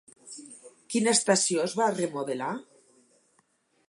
Quina estació es va remodelar?